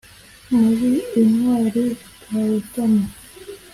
muri intwari zitarutana,